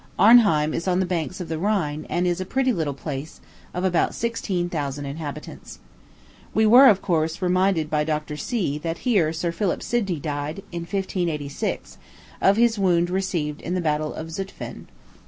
Arnheim is on the banks of the Rhine, and is a pretty little place, of about sixteen thousand inhabitants. We were, of course, reminded by Dr. C. that here Sir Philip Sidney died, in 1586, of his wound received in the battle of Zutphen.